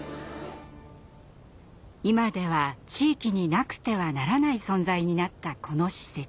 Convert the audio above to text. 今では地域になくてはならない存在になったこの施設。